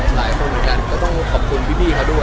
หลายคนเหมือนกันก็ต้องขอบคุณพี่เขาด้วย